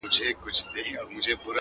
o د چا او چا ژوند كي خوښي راوړي.